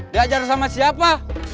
diajar sama siapa